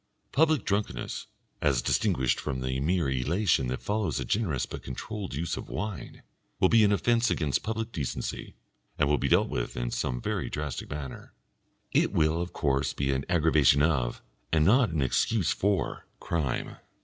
Public drunkenness (as distinguished from the mere elation that follows a generous but controlled use of wine) will be an offence against public decency, and will be dealt with in some very drastic manner. It will, of course, be an aggravation of, and not an excuse for, crime.